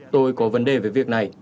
tôi có vấn đề về việc này